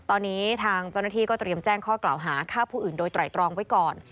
ตอนนี้ทางเจ้าหน้าที่ก็เตรียมแจ้งข้อกล่าวหาฆ่าผู้อื่นโดยไตรตรองไว้ก่อน